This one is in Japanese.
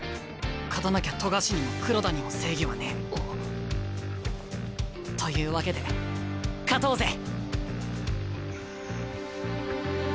勝たなきゃ冨樫にも黒田にも正義はねえ。というわけで勝とうぜ！